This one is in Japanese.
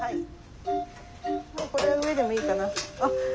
もうこれは上でもいいかな。